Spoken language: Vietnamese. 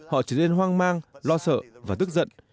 họ trở nên hoang mang lo sợ và tức giận